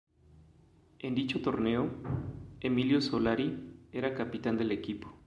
En dicho torneo, Emilio Solari, era capitán del equipo.